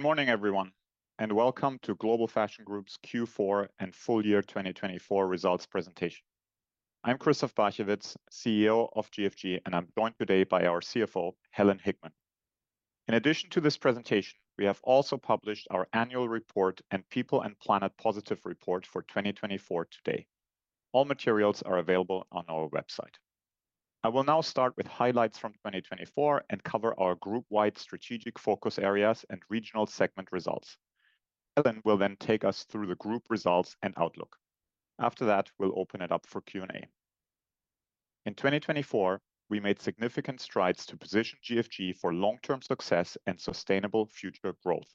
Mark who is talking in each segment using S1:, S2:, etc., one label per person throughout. S1: Good morning, everyone, and welcome to Global Fashion Group's Q4 and full year 2024 results presentation. I'm Christoph Barchewitz, CEO of GFG, and I'm joined today by our CFO, Helen Hickman. In addition to this presentation, we have also published our annual report and People and Planet Positive Report for 2024 today. All materials are available on our website. I will now start with highlights from 2024 and cover our group-wide strategic focus areas and regional segment results. Helen will then take us through the group results and outlook. After that, we'll open it up for Q&A. In 2024, we made significant strides to position GFG for long-term success and sustainable future growth.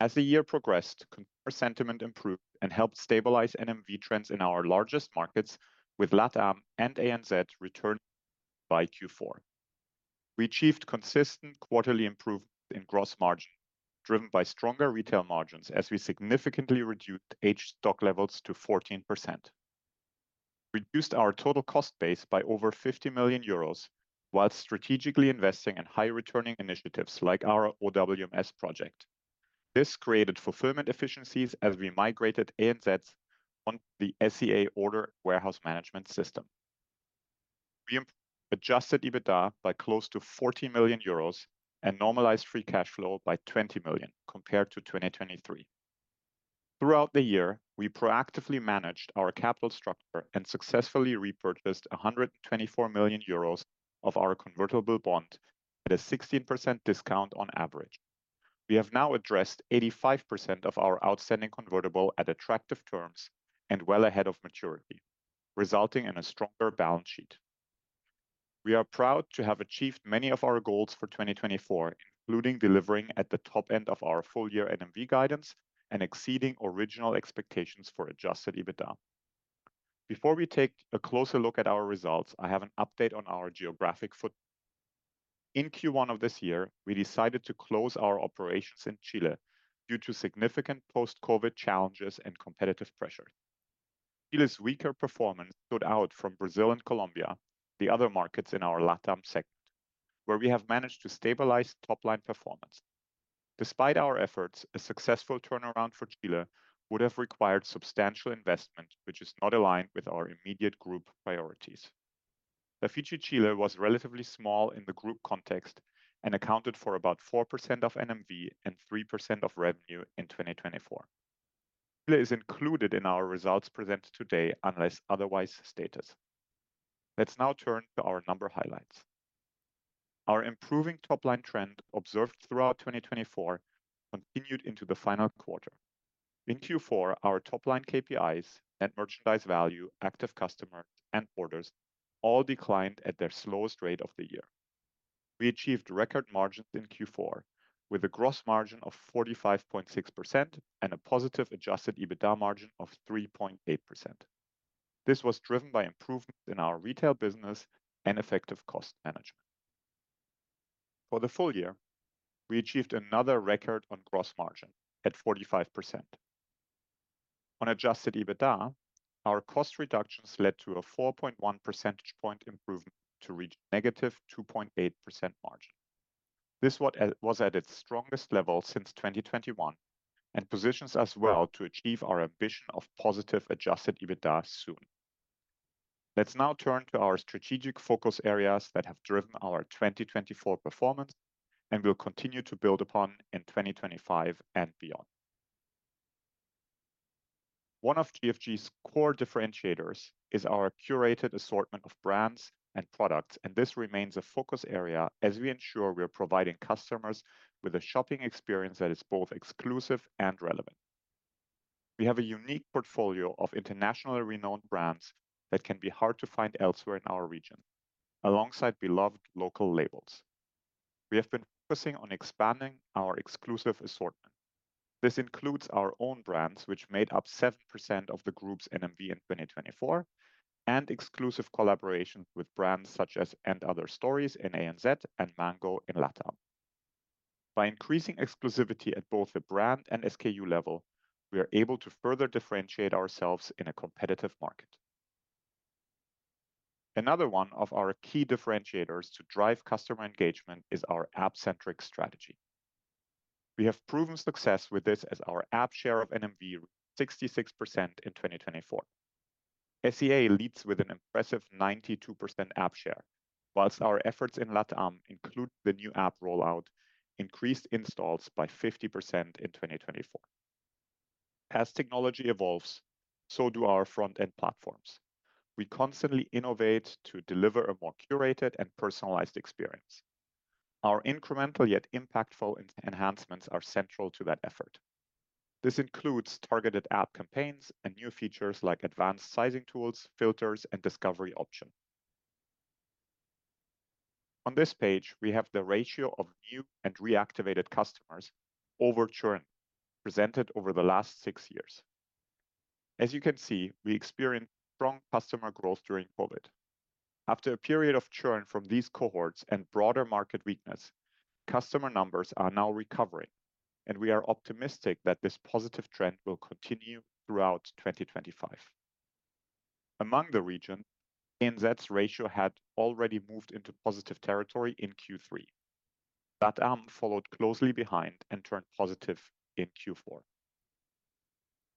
S1: As the year progressed, consumer sentiment improved and helped stabilize NMV trends in our largest markets, with LATAM and ANZ returning by Q4. We achieved consistent quarterly improvements in gross margin, driven by stronger retail margins as we significantly reduced age stock levels to 14%. We reduced our total cost base by over 50 million euros while strategically investing in high-returning initiatives like our OWMS project. This created fulfillment efficiencies as we migrated ANZ onto the SEA Order Warehouse Management System. We adjusted EBITDA by close to 40 million euros and normalized free cash flow by 20 million compared to 2023. Throughout the year, we proactively managed our capital structure and successfully repurchased 124 million euros of our convertible bond at a 16% discount on average. We have now addressed 85% of our outstanding convertible at attractive terms and well ahead of maturity, resulting in a stronger balance sheet. We are proud to have achieved many of our goals for 2024, including delivering at the top end of our full year NMV guidance and exceeding original expectations for adjusted EBITDA. Before we take a closer look at our results, I have an update on our geographic footprint. In Q1 of this year, we decided to close our operations in Chile due to significant post-COVID challenges and competitive pressure. Chile's weaker performance stood out from Brazil and Colombia, the other markets in our LATAM segment, where we have managed to stabilize top-line performance. Despite our efforts, a successful turnaround for Chile would have required substantial investment, which is not aligned with our immediate group priorities. Chile was relatively small in the group context and accounted for about 4% of NMV and 3% of revenue in 2024. Chile is included in our results presented today unless otherwise stated. Let's now turn to our number highlights. Our improving top-line trend observed throughout 2024 continued into the final quarter. In Q4, our top-line KPIs—net merchandise value, active customers, and orders—all declined at their slowest rate of the year. We achieved record margins in Q4, with a gross margin of 45.6% and a positive adjusted EBITDA margin of 3.8%. This was driven by improvements in our retail business and effective cost management. For the full year, we achieved another record on gross margin at 45%. On adjusted EBITDA, our cost reductions led to a 4.1% point improvement to reach a negative 2.8% margin. This was at its strongest level since 2021 and positions us well to achieve our ambition of positive adjusted EBITDA soon. Let's now turn to our strategic focus areas that have driven our 2024 performance and will continue to build upon in 2025 and beyond. One of GFG's core differentiators is our curated assortment of brands and products, and this remains a focus area as we ensure we're providing customers with a shopping experience that is both exclusive and relevant. We have a unique portfolio of internationally renowned brands that can be hard to find elsewhere in our region, alongside beloved local labels. We have been focusing on expanding our exclusive assortment. This includes our own brands, which made up 7% of the group's NMV in 2024, and exclusive collaborations with brands such as & Other Stories in ANZ and Mango in LATAM. By increasing exclusivity at both the brand and SKU level, we are able to further differentiate ourselves in a competitive market. Another one of our key differentiators to drive customer engagement is our app-centric strategy. We have proven success with this as our app share of NMV reached 66% in 2024. SEA leads with an impressive 92% app share, whilst our efforts in LATAM include the new app rollout, increased installs by 50% in 2024. As technology evolves, so do our front-end platforms. We constantly innovate to deliver a more curated and personalized experience. Our incremental yet impactful enhancements are central to that effort. This includes targeted app campaigns and new features like advanced sizing tools, filters, and discovery options. On this page, we have the ratio of new and reactivated customers over churn presented over the last six years. As you can see, we experienced strong customer growth during COVID. After a period of churn from these cohorts and broader market weakness, customer numbers are now recovering, and we are optimistic that this positive trend will continue throughout 2025. Among the region, ANZ's ratio had already moved into positive territory in Q3. LATAM followed closely behind and turned positive in Q4.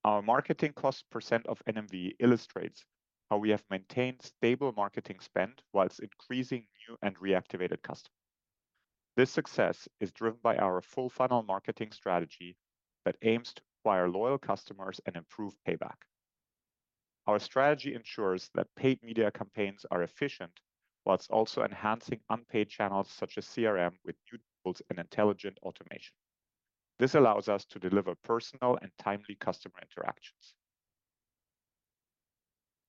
S1: Our marketing cost % of NMV illustrates how we have maintained stable marketing spend whilst increasing new and reactivated customers. This success is driven by our full-funnel marketing strategy that aims to acquire loyal customers and improve payback. Our strategy ensures that paid media campaigns are efficient whilst also enhancing unpaid channels such as CRM with new tools and intelligent automation. This allows us to deliver personal and timely customer interactions.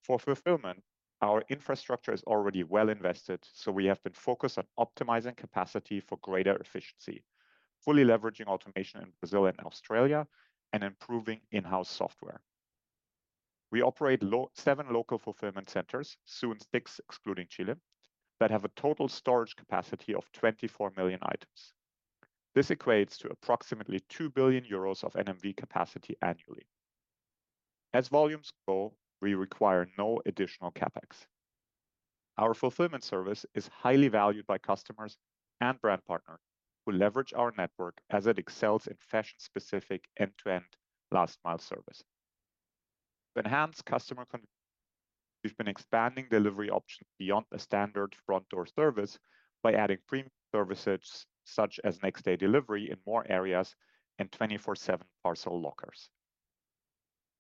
S1: For fulfillment, our infrastructure is already well invested, so we have been focused on optimizing capacity for greater efficiency, fully leveraging automation in Brazil and Australia, and improving in-house software. We operate seven local fulfillment centers, soon six excluding Chile, that have a total storage capacity of 24 million items. This equates to approximately 2 billion euros of NMV capacity annually. As volumes go, we require no additional CapEx. Our fulfillment service is highly valued by customers and brand partners who leverage our network as it excels in fashion-specific end-to-end last-mile service. To enhance customer conversion rates, we've been expanding delivery options beyond a standard front-door service by adding premium services such as next-day delivery in more areas and 24/7 parcel lockers.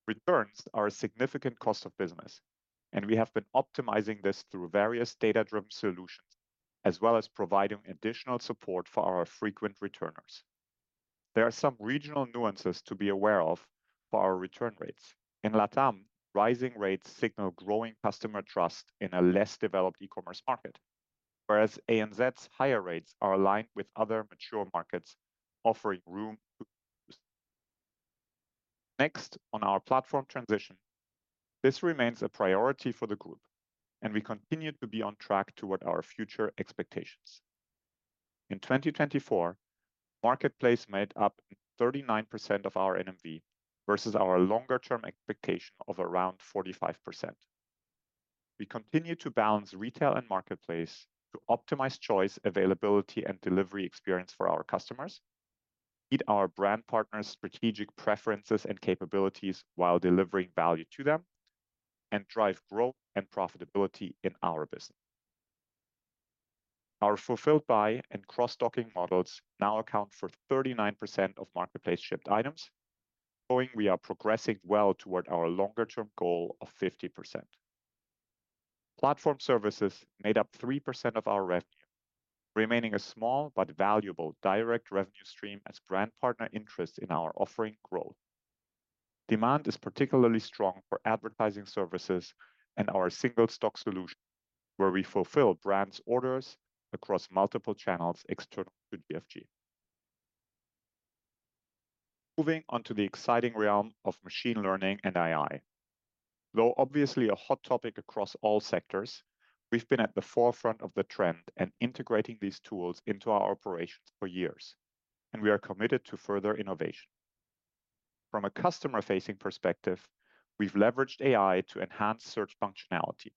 S1: Returns are a significant cost of business, and we have been optimizing this through various data-driven solutions as well as providing additional support for our frequent returners. There are some regional nuances to be aware of for our return rates. In LATAM, rising rates signal growing customer trust in a less developed e-commerce market, whereas ANZ's higher rates are aligned with other mature markets, offering room to grow this. Next, on our platform transition, this remains a priority for the group, and we continue to be on track toward our future expectations. In 2024, the marketplace made up 39% of our NMV versus our longer-term expectation of around 45%. We continue to balance retail and marketplace to optimize choice, availability, and delivery experience for our customers, meet our brand partners' strategic preferences and capabilities while delivering value to them, and drive growth and profitability in our business. Our Fulfilled by and cross-docking models now account for 39% of marketplace-shipped items, showing we are progressing well toward our longer-term goal of 50%. Platform services made up 3% of our revenue, remaining a small but valuable direct revenue stream as brand partner interests in our offering grow. Demand is particularly strong for advertising services and our Single Stock Solution, where we fulfill brands' orders across multiple channels external to GFG. Moving on to the exciting realm of machine learning and AI. Though obviously a hot topic across all sectors, we've been at the forefront of the trend and integrating these tools into our operations for years, and we are committed to further innovation. From a customer-facing perspective, we've leveraged AI to enhance search functionality.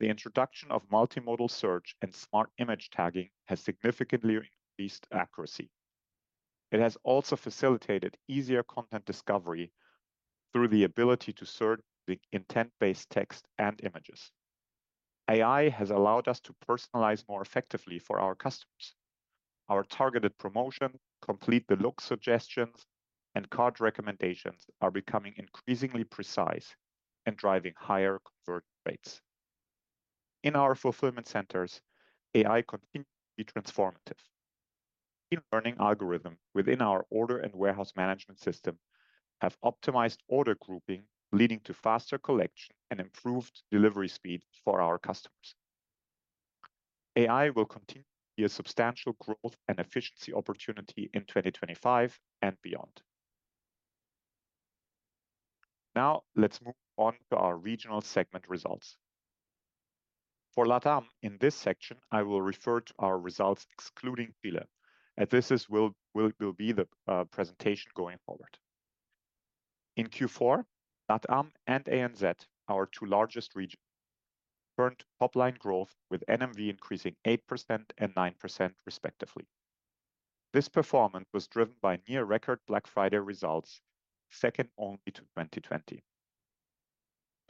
S1: The introduction of multimodal search and smart image tagging has significantly increased accuracy. It has also facilitated easier content discovery through the ability to search using intent-based text and images. AI has allowed us to personalize more effectively for our customers. Our targeted promotion, Complete the Look suggestions, and car recommendations are becoming increasingly precise and driving higher conversion rates. In our fulfillment centers, AI continues to be transformative. Machine learning algorithms within our order and warehouse management system have optimized order grouping, leading to faster collection and improved delivery speed for our customers. AI will continue to be a substantial growth and efficiency opportunity in 2025 and beyond. Now, let's move on to our regional segment results. For LATAM, in this section, I will refer to our results excluding Chile, as this will be the presentation going forward. In Q4, LATAM and ANZ, our two largest regions, returned top-line growth with NMV increasing 8% and 9% respectively. This performance was driven by near-record Black Friday results, second only to 2020.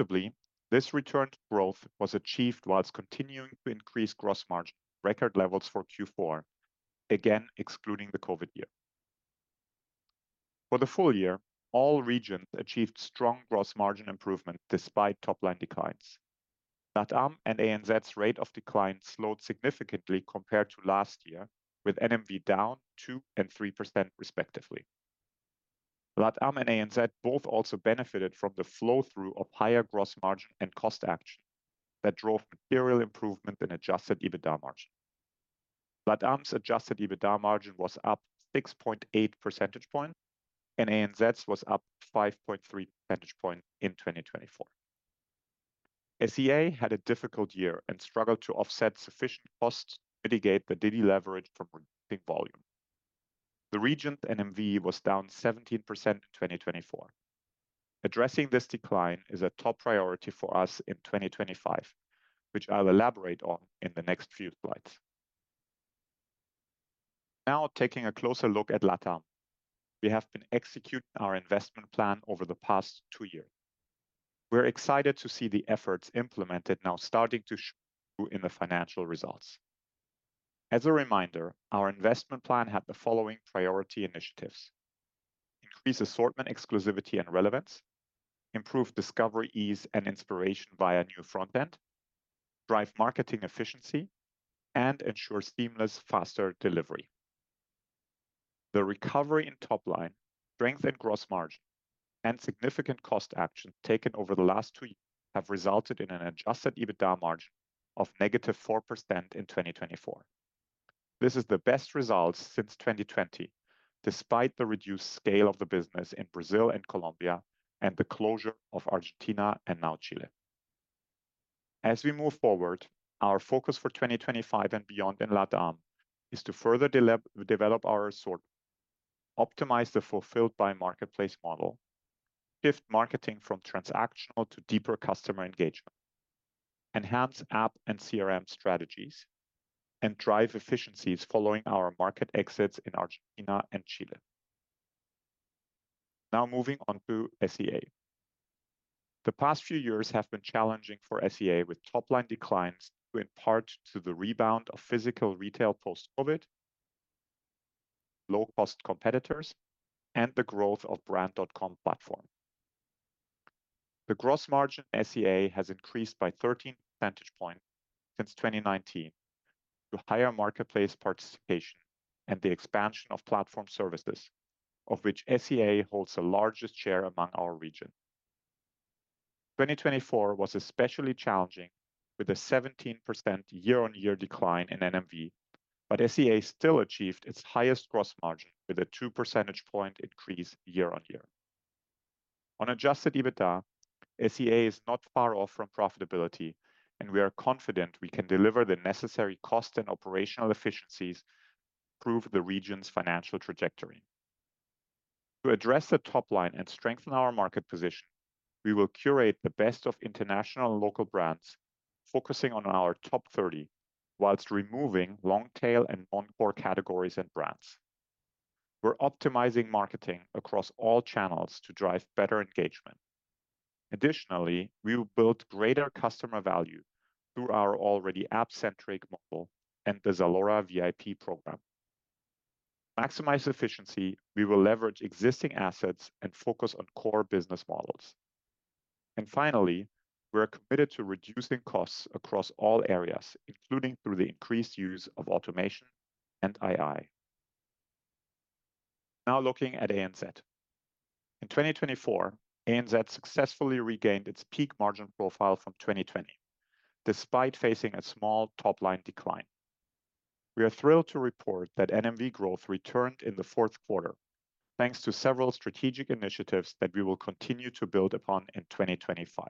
S1: Notably, this returned growth was achieved whilst continuing to increase gross margin record levels for Q4, again excluding the COVID year. For the full year, all regions achieved strong gross margin improvement despite top-line declines. LATAM and ANZ's rate of decline slowed significantly compared to last year, with NMV down 2% and 3% respectively. LATAM and ANZ both also benefited from the flow-through of higher gross margin and cost action that drove material improvement in adjusted EBITDA margin. LATAM's adjusted EBITDA margin was up 6.8% points, and ANZ's was up 5.3% points in 2024. SEA had a difficult year and struggled to offset sufficient costs to mitigate the duty leverage from reducing volume. The region's NMV was down 17% in 2024. Addressing this decline is a top priority for us in 2025, which I'll elaborate on in the next few slides. Now, taking a closer look at LATAM, we have been executing our investment plan over the past two years. We're excited to see the efforts implemented now starting to show through in the financial results. As a reminder, our investment plan had the following priority initiatives: increase assortment exclusivity and relevance, improve discovery ease and inspiration via new front-end, drive marketing efficiency, and ensure seamless faster delivery. The recovery in top-line, strengthened gross margin, and significant cost action taken over the last two years have resulted in an adjusted EBITDA margin of -4% in 2024. This is the best result since 2020, despite the reduced scale of the business in Brazil and Colombia and the closure of Argentina and now Chile. As we move forward, our focus for 2025 and beyond in LATAM is to further develop our assortment, optimize the fulfilled buy marketplace model, shift marketing from transactional to deeper customer engagement, enhance app and CRM strategies, and drive efficiencies following our market exits in Argentina and Chile. Now, moving on to SEA. The past few years have been challenging for SEA with top-line declines due in part to the rebound of physical retail post-COVID, low-cost competitors, and the growth of Brand.com platform. The gross margin in SEA has increased by 13% points since 2019 due to higher marketplace participation and the expansion of platform services, of which SEA holds the largest share among our region. 2024 was especially challenging with a 17% year-on-year decline in NMV, but SEA still achieved its highest gross margin with a 2% point increase year-on-year. On adjusted EBITDA, SEA is not far off from profitability, and we are confident we can deliver the necessary cost and operational efficiencies to improve the region's financial trajectory. To address the top-line and strengthen our market position, we will curate the best of international and local brands, focusing on our top 30 whilst removing long-tail and non-core categories and brands. We're optimizing marketing across all channels to drive better engagement. Additionally, we will build greater customer value through our already app-centric model and the Zalora VIP program. To maximize efficiency, we will leverage existing assets and focus on core business models. Finally, we're committed to reducing costs across all areas, including through the increased use of automation and AI. Now, looking at ANZ. In 2024, ANZ successfully regained its peak margin profile from 2020, despite facing a small top-line decline. We are thrilled to report that NMV growth returned in the fourth quarter, thanks to several strategic initiatives that we will continue to build upon in 2025.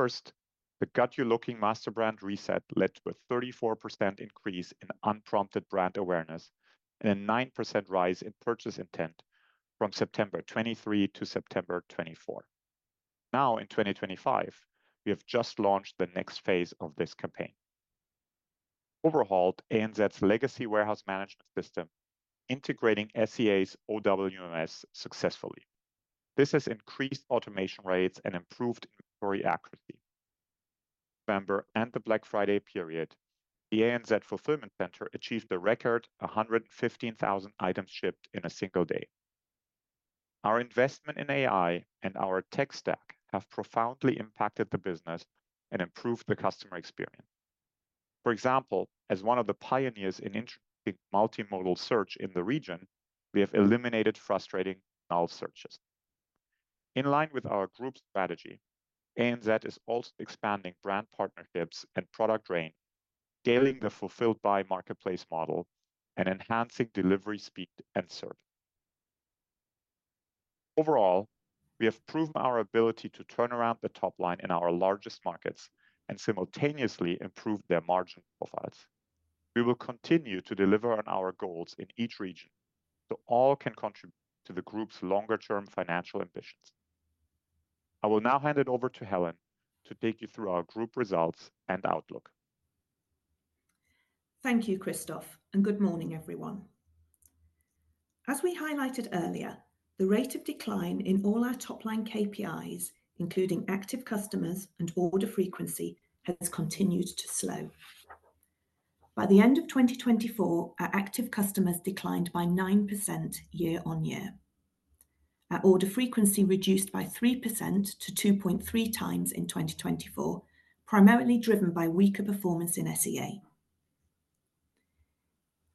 S1: First, the Got You Looking Master Brand Reset led to a 34% increase in unprompted brand awareness and a 9% rise in purchase intent from September 2023 to September 2024. Now, in 2025, we have just launched the next phase of this campaign. Overhauled ANZ's legacy warehouse management system, integrating SEA's OWMS successfully. This has increased automation rates and improved inventory accuracy. In November and the Black Friday period, the ANZ fulfillment center achieved a record 115,000 items shipped in a single day. Our investment in AI and our tech stack have profoundly impacted the business and improved the customer experience. For example, as one of the pioneers in introducing multimodal search in the region, we have eliminated frustrating manual searches. In line with our group strategy, ANZ is also expanding brand partnerships and product range, scaling the fulfilled buy marketplace model, and enhancing delivery speed and service. Overall, we have proven our ability to turn around the top line in our largest markets and simultaneously improve their margin profiles. We will continue to deliver on our goals in each region so all can contribute to the group's longer-term financial ambitions. I will now hand it over to Helen to take you through our group results and outlook.
S2: Thank you, Christoph, and good morning, everyone. As we highlighted earlier, the rate of decline in all our top-line KPIs, including active customers and order frequency, has continued to slow. By the end of 2024, our active customers declined by 9% year-on-year. Our order frequency reduced by 3% to 2.3 times in 2024, primarily driven by weaker performance in SEA.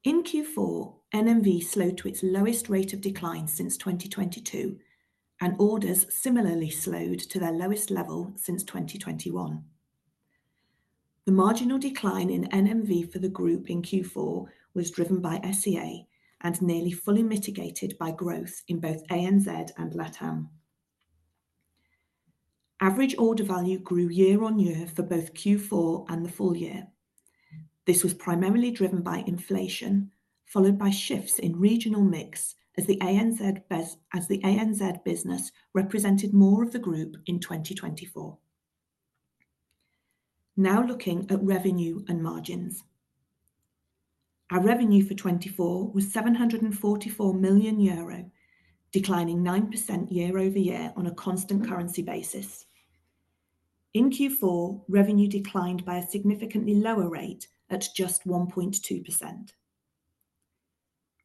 S2: In Q4, NMV slowed to its lowest rate of decline since 2022, and orders similarly slowed to their lowest level since 2021. The marginal decline in NMV for the group in Q4 was driven by SEA and nearly fully mitigated by growth in both ANZ and LATAM. Average order value grew year-on-year for both Q4 and the full year. This was primarily driven by inflation, followed by shifts in regional mix as the ANZ business represented more of the group in 2024. Now, looking at revenue and margins. Our revenue for 2024 was 744 million euro, declining 9% year-over-year on a constant currency basis. In Q4, revenue declined by a significantly lower rate at just 1.2%.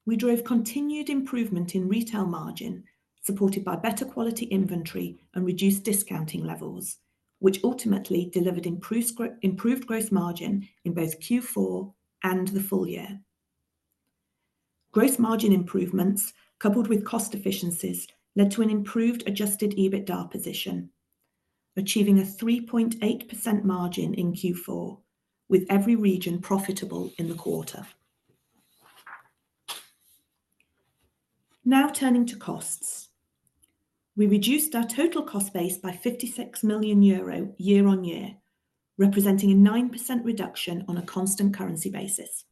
S2: We drove continued improvement in retail margin, supported by better quality inventory and reduced discounting levels, which ultimately delivered improved gross margin in both Q4 and the full year. Gross margin improvements, coupled with cost efficiencies, led to an improved adjusted EBITDA position, achieving a 3.8% margin in Q4, with every region profitable in the quarter. Now, turning to costs. We reduced our total cost base by 56 million euro year-on-year, representing a 9% reduction on a constant currency basis.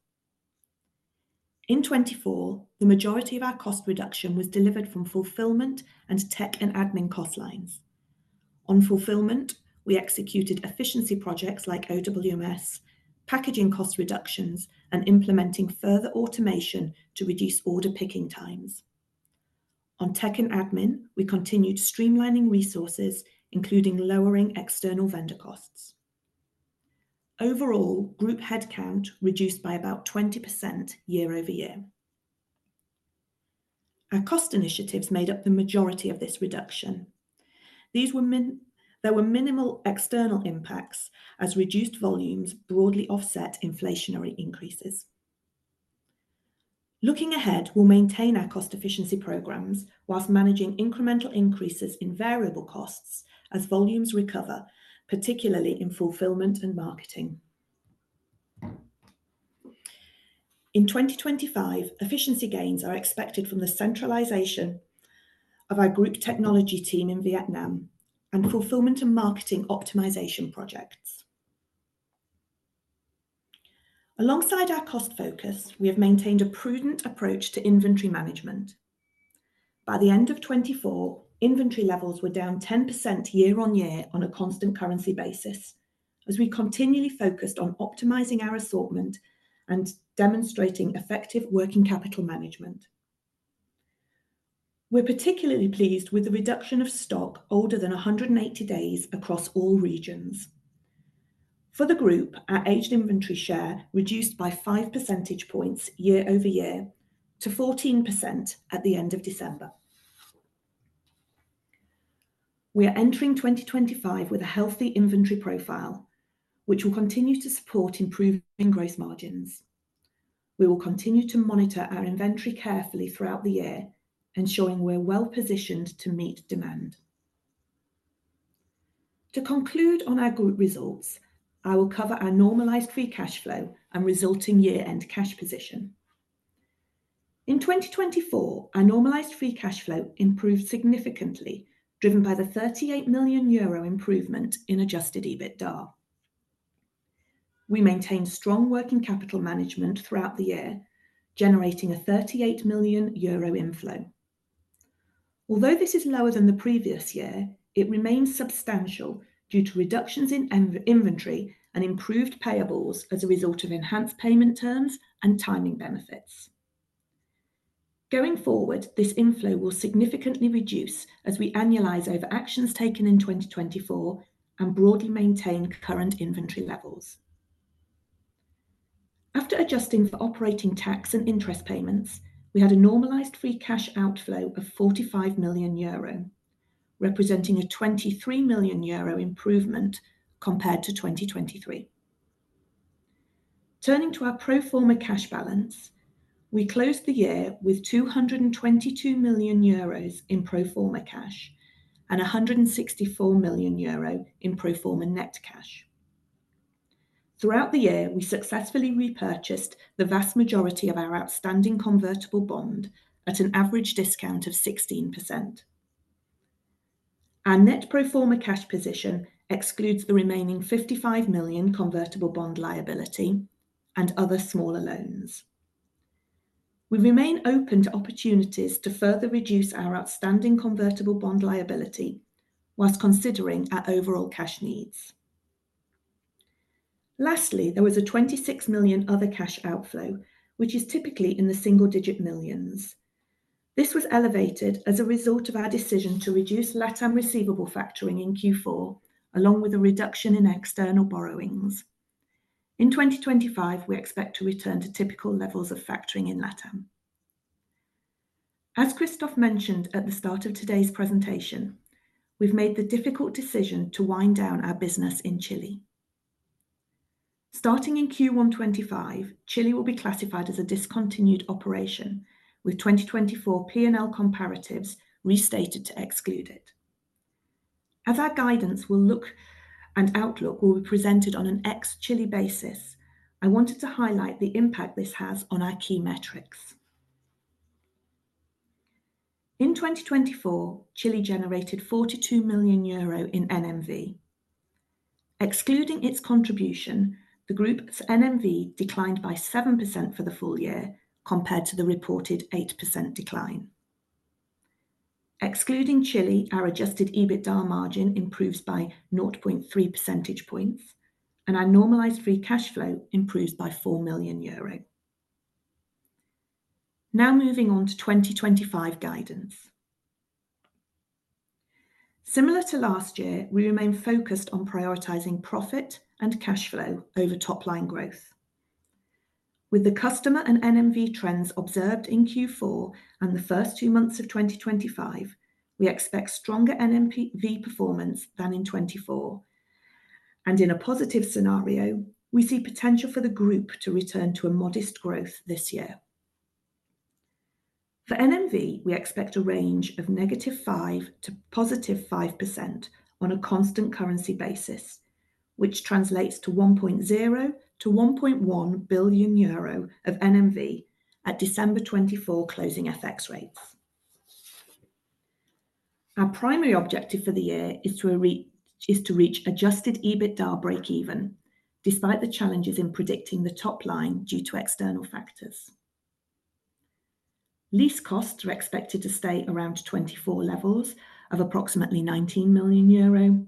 S2: In 2024, the majority of our cost reduction was delivered from fulfillment and tech and admin cost lines. On fulfillment, we executed efficiency projects like OWMS, packaging cost reductions, and implementing further automation to reduce order picking times. On tech and admin, we continued streamlining resources, including lowering external vendor costs. Overall, group headcount reduced by about 20% year-over-year. Our cost initiatives made up the majority of this reduction. There were minimal external impacts as reduced volumes broadly offset inflationary increases. Looking ahead, we will maintain our cost efficiency programs whilst managing incremental increases in variable costs as volumes recover, particularly in fulfillment and marketing. In 2025, efficiency gains are expected from the centralization of our group technology team in Vietnam and fulfillment and marketing optimization projects. Alongside our cost focus, we have maintained a prudent approach to inventory management. By the end of 2024, inventory levels were down 10% year-on-year on a constant currency basis as we continually focused on optimizing our assortment and demonstrating effective working capital management. We are particularly pleased with the reduction of stock older than 180 days across all regions. For the group, our aged inventory share reduced by 5% points year-over-year to 14% at the end of December. We are entering 2025 with a healthy inventory profile, which will continue to support improving gross margins. We will continue to monitor our inventory carefully throughout the year, ensuring we are well-positioned to meet demand. To conclude on our group results, I will cover our normalized free cash flow and resulting year-end cash position. In 2024, our normalized free cash flow improved significantly, driven by the 38 million euro improvement in adjusted EBITDA. We maintained strong working capital management throughout the year, generating a 38 million euro inflow. Although this is lower than the previous year, it remains substantial due to reductions in inventory and improved payables as a result of enhanced payment terms and timing benefits. Going forward, this inflow will significantly reduce as we annualize over actions taken in 2024 and broadly maintain current inventory levels. After adjusting for operating tax and interest payments, we had a normalized free cash outflow of 45 million euro, representing a 23 million euro improvement compared to 2023. Turning to our pro forma cash balance, we closed the year with 222 million euros in pro forma cash and 164 million euro in pro forma net cash. Throughout the year, we successfully repurchased the vast majority of our outstanding convertible bond at an average discount of 16%. Our net pro forma cash position excludes the remaining 55 million convertible bond liability and other smaller loans. We remain open to opportunities to further reduce our outstanding convertible bond liability whilst considering our overall cash needs. Lastly, there was a 26 million other cash outflow, which is typically in the single-digit millions. This was elevated as a result of our decision to reduce LATAM receivable factoring in Q4, along with a reduction in external borrowings. In 2025, we expect to return to typical levels of factoring in LATAM. As Christoph mentioned at the start of today's presentation, we've made the difficult decision to wind down our business in Chile. Starting in Q1 2025, Chile will be classified as a discontinued operation, with 2024 P&L comparatives restated to exclude it. As our guidance will look and outlook will be presented on an ex-Chile basis, I wanted to highlight the impact this has on our key metrics. In 2024, Chile generated 42 million euro in NMV. Excluding its contribution, the group's NMV declined by 7% for the full year compared to the reported 8% decline. Excluding Chile, our adjusted EBITDA margin improves by 0.3% points, and our normalized free cash flow improves by 4 million euro. Now, moving on to 2025 guidance. Similar to last year, we remain focused on prioritizing profit and cash flow over top-line growth. With the customer and NMV trends observed in Q4 and the first two months of 2025, we expect stronger NMV performance than in 2024. In a positive scenario, we see potential for the group to return to a modest growth this year. For NMV, we expect a range of -5% to 5% on a constant currency basis, which translates to 1.0 billion-1.1 billion euro of NMV at December 24 closing FX rates. Our primary objective for the year is to reach adjusted EBITDA break-even, despite the challenges in predicting the top line due to external factors. Lease costs are expected to stay around 2024 levels of approximately 19 million euro,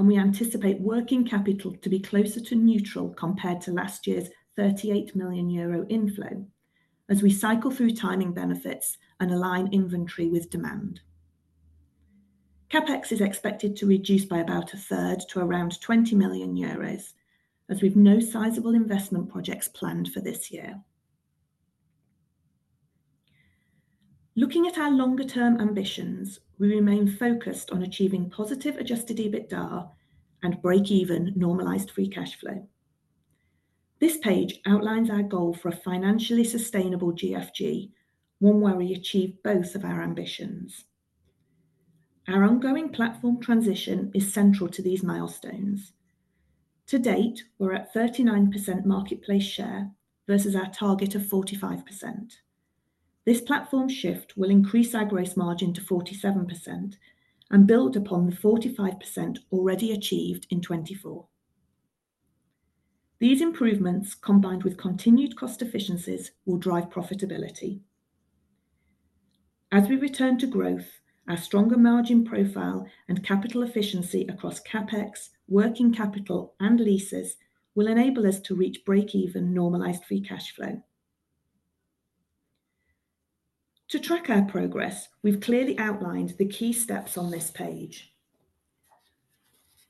S2: and we anticipate working capital to be closer to neutral compared to last year's 38 million euro inflow as we cycle through timing benefits and align inventory with demand. CapEx is expected to reduce by about a third to around 20 million euros, as we have no sizable investment projects planned for this year. Looking at our longer-term ambitions, we remain focused on achieving positive adjusted EBITDA and break-even normalized free cash flow. This page outlines our goal for a financially sustainable GFG, one where we achieve both of our ambitions. Our ongoing platform transition is central to these milestones. To date, we're at 39% marketplace share versus our target of 45%. This platform shift will increase our gross margin to 47% and build upon the 45% already achieved in 2024. These improvements, combined with continued cost efficiencies, will drive profitability. As we return to growth, our stronger margin profile and capital efficiency across CapEx, working capital, and leases will enable us to reach break-even normalized free cash flow. To track our progress, we've clearly outlined the key steps on this page.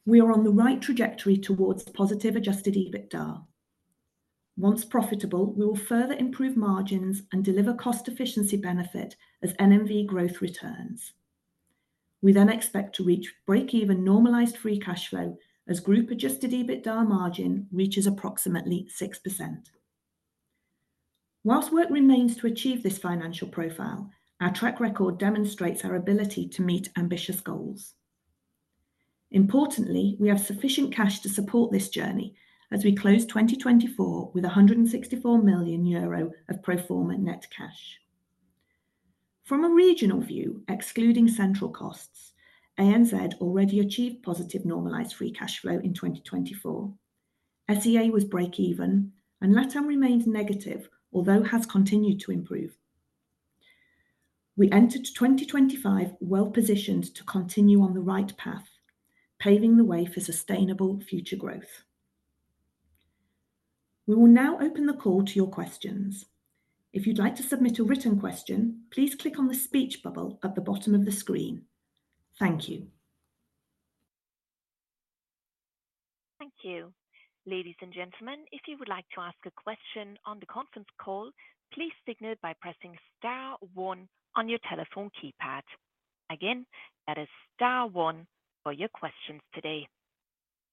S2: We are on the right trajectory towards positive adjusted EBITDA. Once profitable, we will further improve margins and deliver cost efficiency benefit as NMV growth returns. We then expect to reach break-even normalized free cash flow as group adjusted EBITDA margin reaches approximately 6%. Whilst work remains to achieve this financial profile, our track record demonstrates our ability to meet ambitious goals. Importantly, we have sufficient cash to support this journey as we close 2024 with 164 million euro of pro forma net cash. From a regional view, excluding central costs, ANZ already achieved positive normalized free cash flow in 2024. SEA was break-even, and LATAM remained negative, although has continued to improve. We entered 2025 well-positioned to continue on the right path, paving the way for sustainable future growth. We will now open the call to your questions. If you'd like to submit a written question, please click on the speech bubble at the bottom of the screen. Thank you.
S3: Thank you, ladies and gentlemen.
S1: If you would like to ask a question on the conference call, please signal by pressing star one on your telephone keypad. Again, that is star one for your questions today.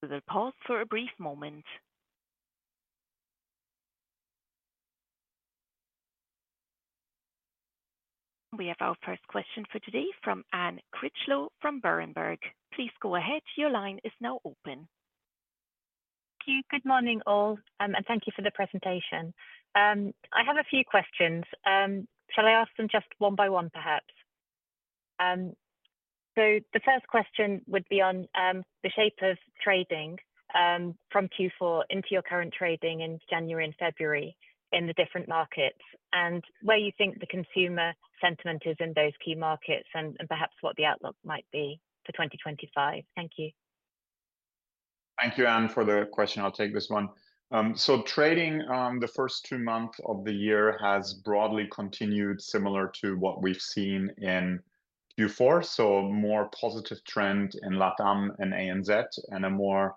S1: We will pause for a brief moment. We have our first question for today from Anne Critchlow from Berenberg. Please go ahead. Your line is now open.
S4: Thank you. Good morning, all. Thank you for the presentation. I have a few questions. Shall I ask them just one by one, perhaps? The first question would be on the shape of trading from Q4 into your current trading in January and February in the different markets and where you think the consumer sentiment is in those key markets and perhaps what the outlook might be for 2025. Thank you.
S1: Thank you, Anne, for the question. I'll take this one. Trading the first two months of the year has broadly continued similar to what we've seen in Q4. A more positive trend in LATAM and ANZ and a more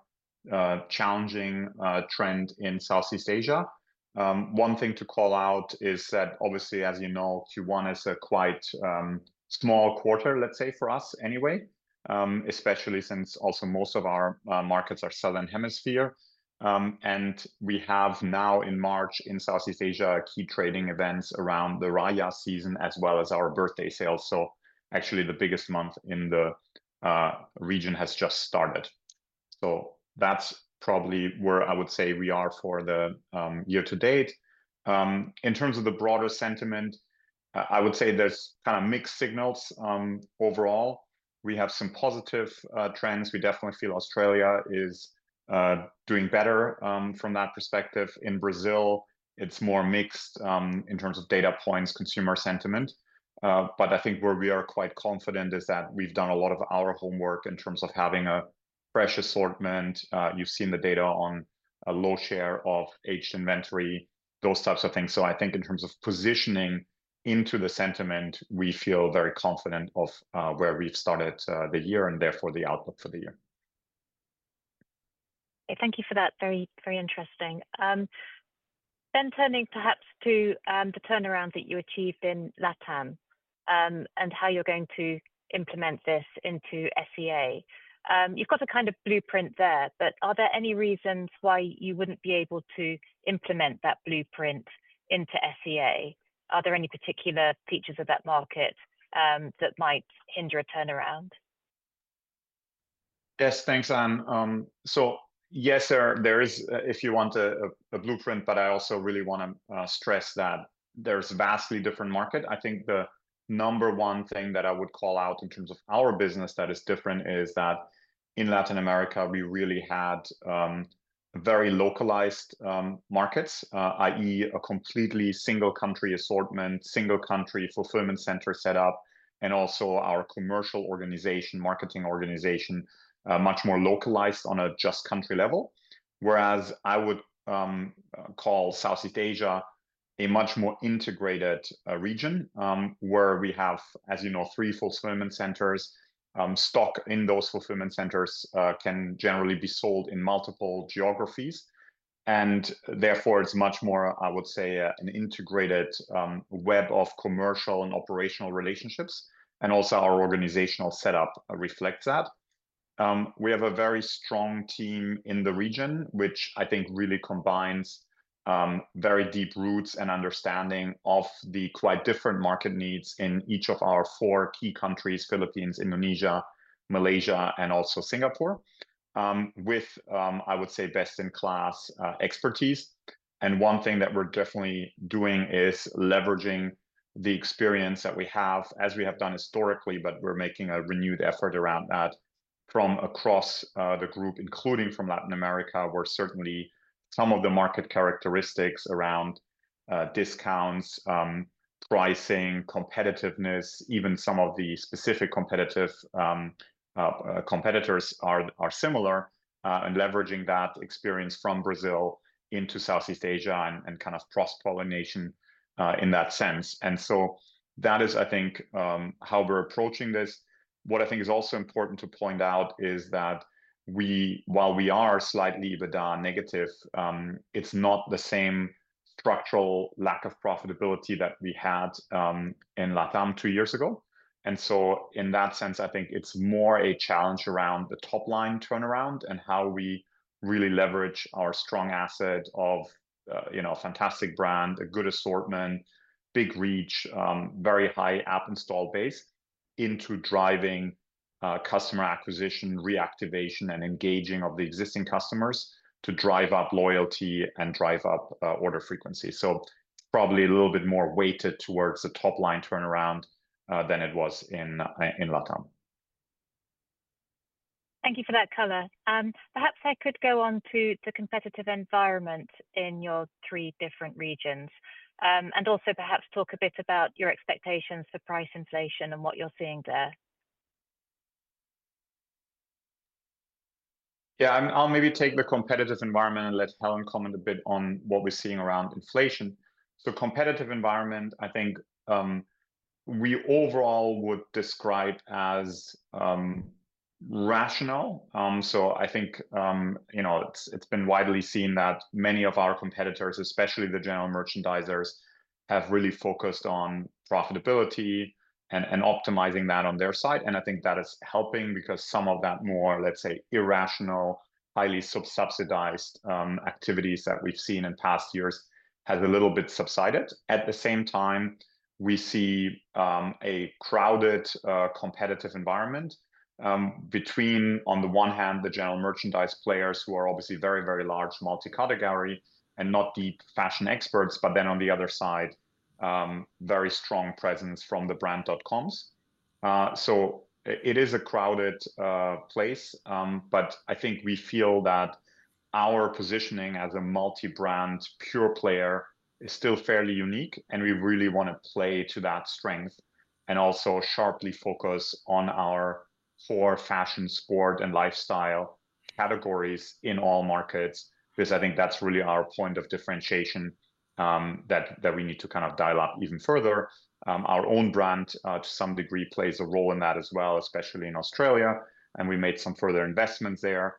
S1: challenging trend in Southeast Asia. One thing to call out is that, obviously, as you know, Q1 is a quite small quarter, let's say, for us anyway, especially since also most of our markets are Southern Hemisphere. We have now in March in Southeast Asia key trading events around the Raya season as well as our birthday sales. Actually, the biggest month in the region has just started. That is probably where I would say we are for the year to date. In terms of the broader sentiment, I would say there's kind of mixed signals overall. We have some positive trends. We definitely feel Australia is doing better from that perspective. In Brazil, it's more mixed in terms of data points, consumer sentiment. I think where we are quite confident is that we've done a lot of our homework in terms of having a fresh assortment. You've seen the data on a low share of aged inventory, those types of things. I think in terms of positioning into the sentiment, we feel very confident of where we've started the year and therefore the outlook for the year.
S4: Thank you for that. Very, very interesting. Turning perhaps to the turnaround that you achieved in LATAM and how you're going to implement this into SEA. You've got a kind of blueprint there, but are there any reasons why you wouldn't be able to implement that blueprint into SEA? Are there any particular features of that market that might hinder a turnaround?
S1: Yes, thanks, Anne. Yes, there is, if you want a blueprint, but I also really want to stress that there's a vastly different market. I think the number one thing that I would call out in terms of our business that is different is that in Latin America, we really had very localized markets, i.e., a completely single country assortment, single country fulfillment center set up, and also our commercial organization, marketing organization, much more localized on a just country level. Whereas I would call Southeast Asia a much more integrated region where we have, as you know, three fulfillment centers. Stock in those fulfillment centers can generally be sold in multiple geographies. Therefore, it's much more, I would say, an integrated web of commercial and operational relationships. Also, our organizational setup reflects that. We have a very strong team in the region, which I think really combines very deep roots and understanding of the quite different market needs in each of our four key countries: Philippines, Indonesia, Malaysia, and also Singapore, with, I would say, best-in-class expertise. One thing that we're definitely doing is leveraging the experience that we have as we have done historically, but we're making a renewed effort around that from across the group, including from Latin America, where certainly some of the market characteristics around discounts, pricing, competitiveness, even some of the specific competitors are similar. Leveraging that experience from Brazil into Southeast Asia and kind of cross-pollination in that sense. That is, I think, how we're approaching this. What I think is also important to point out is that while we are slightly EBITDA negative, it's not the same structural lack of profitability that we had in LATAM two years ago. In that sense, I think it's more a challenge around the top line turnaround and how we really leverage our strong asset of a fantastic brand, a good assortment, big reach, very high app install base into driving customer acquisition, reactivation, and engaging of the existing customers to drive up loyalty and drive up order frequency. Probably a little bit more weighted towards the top line turnaround than it was in LATAM.
S4: Thank you for that color. Perhaps I could go on to the competitive environment in your three different regions and also perhaps talk a bit about your expectations for price inflation and what you're seeing there.
S1: Yeah, I'll maybe take the competitive environment and let Helen comment a bit on what we're seeing around inflation. The competitive environment, I think we overall would describe as rational. I think it's been widely seen that many of our competitors, especially the general merchandisers, have really focused on profitability and optimizing that on their side. I think that is helping because some of that more, let's say, irrational, highly subsidized activities that we've seen in past years has a little bit subsided. At the same time, we see a crowded competitive environment between, on the one hand, the general merchandise players who are obviously very, very large multicategory gallery and not deep fashion experts, but then on the other side, very strong presence from the brand.coms. It is a crowded place, but I think we feel that our positioning as a multi-brand pure player is still fairly unique, and we really want to play to that strength and also sharply focus on our four fashion, sport, and lifestyle categories in all markets because I think that's really our point of differentiation that we need to kind of dial up even further. Our own brand, to some degree, plays a role in that as well, especially in Australia, and we made some further investments there.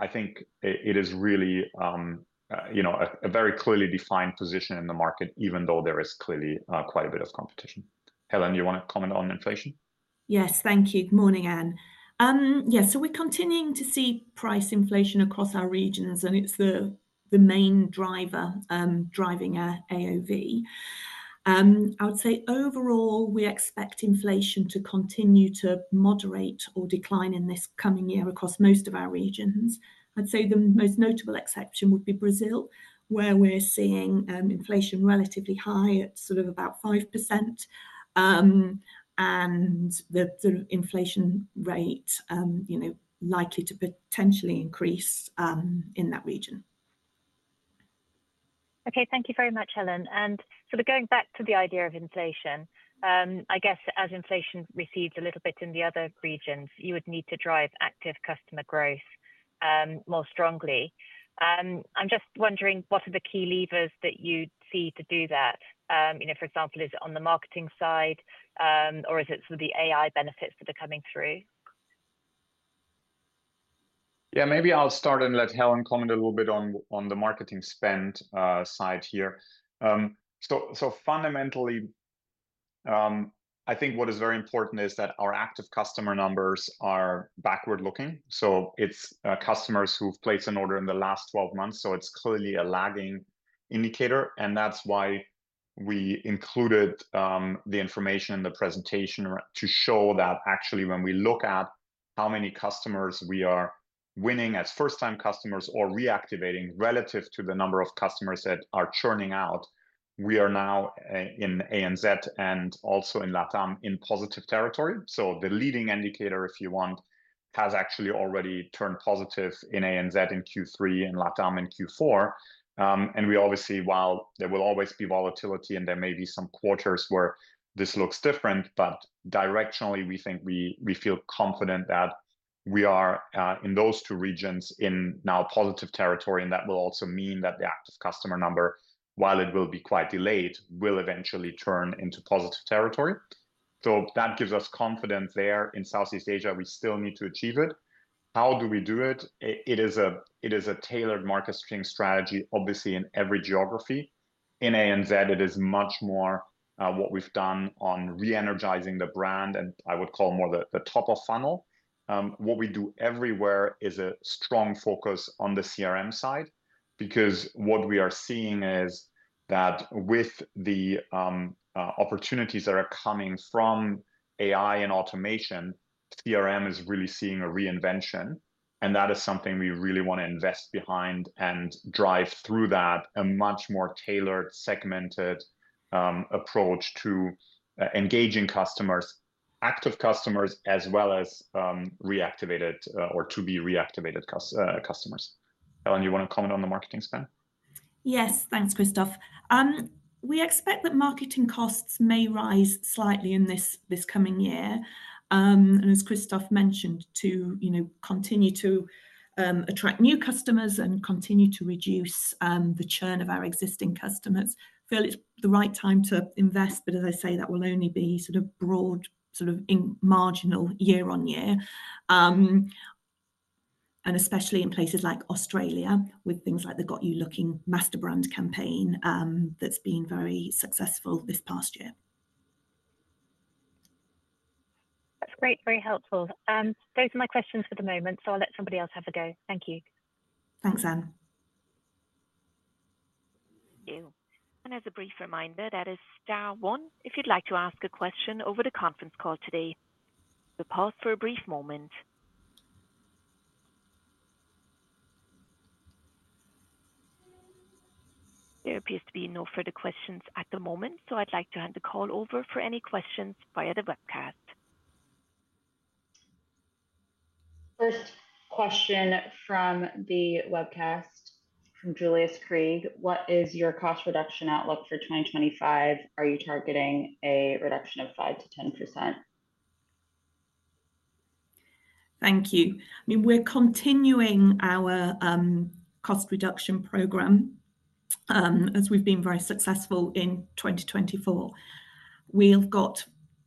S1: I think it is really a very clearly defined position in the market, even though there is clearly quite a bit of competition. Helen, you want to comment on inflation?
S2: Yes, thank you. Good morning, Anne. Yeah, we're continuing to see price inflation across our regions, and it's the main driver driving AOV. I would say overall, we expect inflation to continue to moderate or decline in this coming year across most of our regions. I'd say the most notable exception would be Brazil, where we're seeing inflation relatively high at sort of about 5%, and the inflation rate likely to potentially increase in that region.
S4: Okay, thank you very much, Helen. Sort of going back to the idea of inflation, I guess as inflation recedes a little bit in the other regions, you would need to drive active customer growth more strongly. I'm just wondering what are the key levers that you'd see to do that? For example, is it on the marketing side, or is it sort of the AI benefits that are coming through?
S1: Yeah, maybe I'll start and let Helen comment a little bit on the marketing spend side here. Fundamentally, I think what is very important is that our active customer numbers are backward-looking. It is customers who have placed an order in the last 12 months. It is clearly a lagging indicator, and that is why we included the information in the presentation to show that actually when we look at how many customers we are winning as first-time customers or reactivating relative to the number of customers that are churning out, we are now in ANZ and also in LATAM in positive territory. The leading indicator, if you want, has actually already turned positive in ANZ in Q3 and LATAM in Q4. Obviously, while there will always be volatility and there may be some quarters where this looks different, directionally, we think we feel confident that we are in those two regions in now positive territory. That will also mean that the active customer number, while it will be quite delayed, will eventually turn into positive territory. That gives us confidence there in Southeast Asia. We still need to achieve it. How do we do it? It is a tailored market strength strategy, obviously, in every geography. In ANZ, it is much more what we've done on re-energizing the brand, and I would call more the top of funnel. What we do everywhere is a strong focus on the CRM side because what we are seeing is that with the opportunities that are coming from AI and automation, CRM is really seeing a reinvention. That is something we really want to invest behind and drive through that, a much more tailored, segmented approach to engaging customers, active customers, as well as reactivated or to be reactivated customers. Helen, you want to comment on the marketing spend?
S2: Yes, thanks, Christoph. We expect that marketing costs may rise slightly in this coming year. As Christoph mentioned, to continue to attract new customers and continue to reduce the churn of our existing customers, I feel it's the right time to invest. As I say, that will only be sort of broad, sort of marginal year on year, and especially in places like Australia with things like the Got You Looking Master Brand campaign that's been very successful this past year.
S4: That's great. Very helpful. Those are my questions for the moment, so I'll let somebody else have a go.
S3: Thank you. Thanks, Anne. Thank you. As a brief reminder, that is Star One if you'd like to ask a question over the conference call today. We'll pause for a brief moment. There appears to be no further questions at the moment, so I'd like to hand the call over for any questions via the webcast. First question from the webcast from Julius Craig. What is your cost reduction outlook for 2025? Are you targeting a reduction of 5-10%?
S2: Thank you. I mean, we're continuing our cost reduction program as we've been very successful in 2024. We've got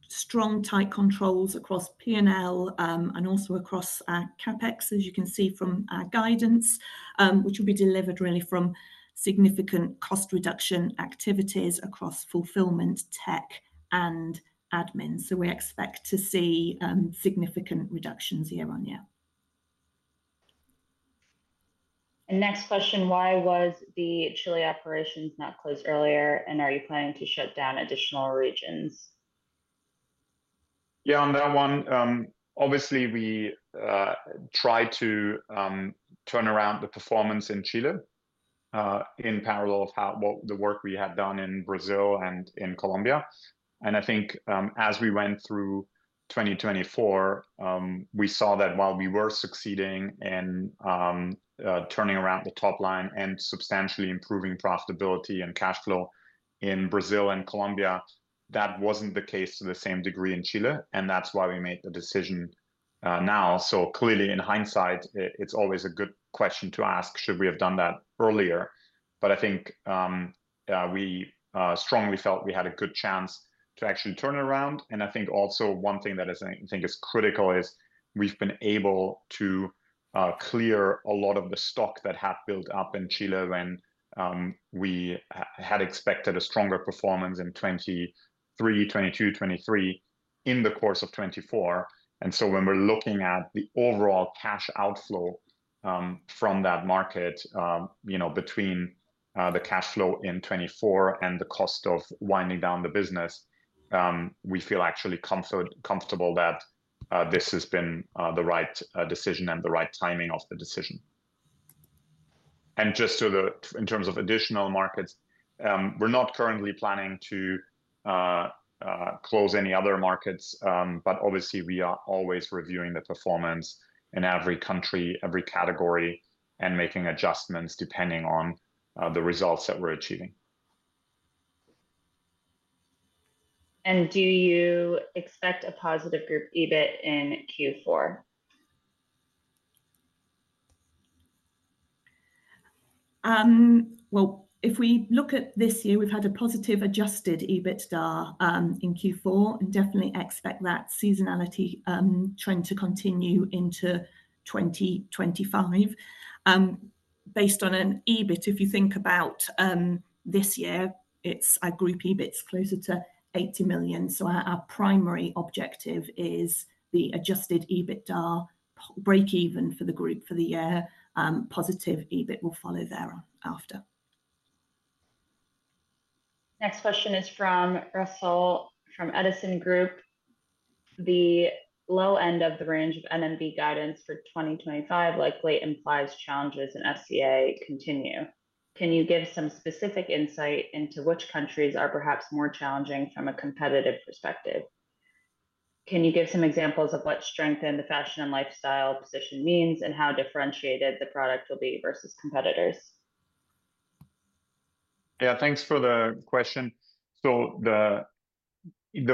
S2: strong tight controls across P&L and also across our CapEx, as you can see from our guidance, which will be delivered really from significant cost reduction activities across fulfillment, tech, and admin. We expect to see significant reductions year on year.
S3: Next question, why was the Chile operations not closed earlier? Are you planning to shut down additional regions?
S1: Yeah, on that one, obviously, we tried to turn around the performance in Chile in parallel of what the work we had done in Brazil and in Colombia. I think as we went through 2024, we saw that while we were succeeding in turning around the top line and substantially improving profitability and cash flow in Brazil and Colombia, that was not the case to the same degree in Chile. That is why we made the decision now. Clearly, in hindsight, it is always a good question to ask, should we have done that earlier? I think we strongly felt we had a good chance to actually turn around. I think also one thing that I think is critical is we've been able to clear a lot of the stock that had built up in Chile when we had expected a stronger performance in 2022, 2023 in the course of 2024. When we're looking at the overall cash outflow from that market between the cash flow in 2024 and the cost of winding down the business, we feel actually comfortable that this has been the right decision and the right timing of the decision. Just in terms of additional markets, we're not currently planning to close any other markets, but obviously, we are always reviewing the performance in every country, every category, and making adjustments depending on the results that we're achieving.
S3: Do you expect a positive group EBIT in Q4?
S2: If we look at this year, we've had a positive adjusted EBITDA in Q4 and definitely expect that seasonality trend to continue into 2025. Based on an EBIT, if you think about this year, our group EBIT is closer to 80 million. Our primary objective is the adjusted EBITDA break-even for the group for the year. Positive EBIT will follow thereafter.
S3: Next question is from Russell from Edison Group. The low end of the range of NMV guidance for 2025 likely implies challenges in SEA continue. Can you give some specific insight into which countries are perhaps more challenging from a competitive perspective? Can you give some examples of what strength in the fashion and lifestyle position means and how differentiated the product will be versus competitors?
S1: Yeah, thanks for the question. The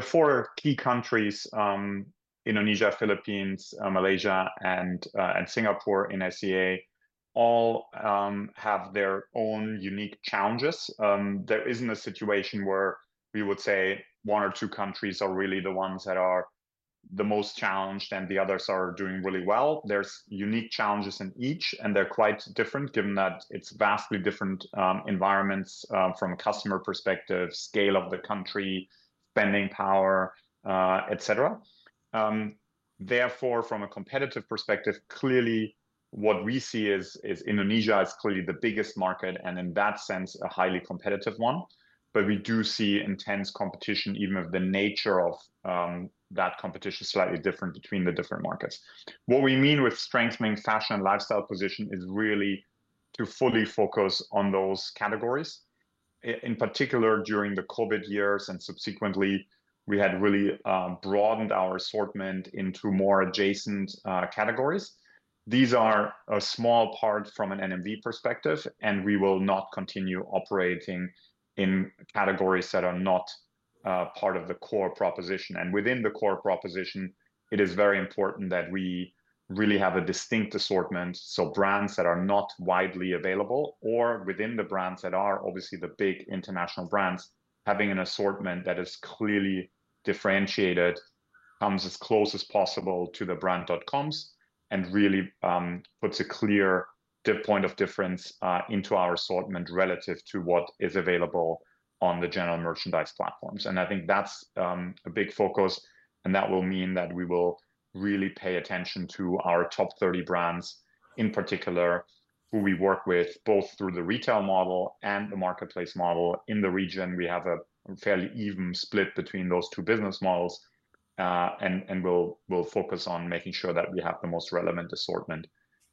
S1: four key countries, Indonesia, Philippines, Malaysia, and Singapore in SEA, all have their own unique challenges. There isn't a situation where we would say one or two countries are really the ones that are the most challenged and the others are doing really well. There are unique challenges in each, and they're quite different given that it's vastly different environments from a customer perspective, scale of the country, spending power, etc. Therefore, from a competitive perspective, clearly what we see is Indonesia is clearly the biggest market and in that sense, a highly competitive one. We do see intense competition, even if the nature of that competition is slightly different between the different markets. What we mean with strengthening fashion and lifestyle position is really to fully focus on those categories. In particular, during the COVID years and subsequently, we had really broadened our assortment into more adjacent categories. These are a small part from an NMV perspective, and we will not continue operating in categories that are not part of the core proposition. Within the core proposition, it is very important that we really have a distinct assortment. Brands that are not widely available or within the brands that are obviously the big international brands, having an assortment that is clearly differentiated comes as close as possible to the brand.coms and really puts a clear point of difference into our assortment relative to what is available on the general merchandise platforms. I think that's a big focus, and that will mean that we will really pay attention to our top 30 brands in particular, who we work with both through the retail model and the marketplace model. In the region, we have a fairly even split between those two business models, and we'll focus on making sure that we have the most relevant assortment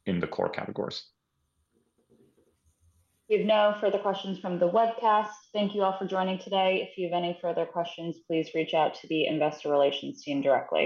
S1: in the core categories.
S3: We have no further questions from the webcast. Thank you all for joining today. If you have any further questions, please reach out to the investor relations team directly.